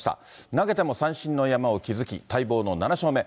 投げても三振の山を築き、待望の７勝目。